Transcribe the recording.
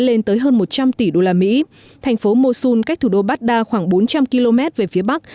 lên tới hơn một trăm linh tỷ đô la mỹ thành phố mosul cách thủ đô baghdad khoảng bốn trăm linh km về phía bắc